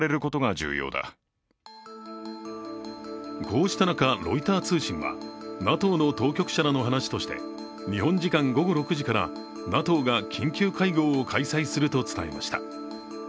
こうした中、ロイター通信はＮＡＴＯの当局者らの話として日本時間午後６時からＮＡＴＯが緊急会合を開催すると伝えました。